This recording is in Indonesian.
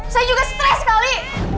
saya juga stress kali